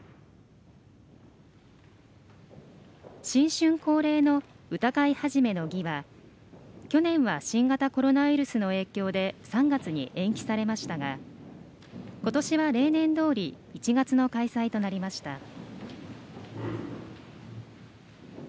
新春恒例の歌会始の儀は去年は新型コロナウイルスの影響で３月に延期されましたが今年は例年どおり１月の開催となりました。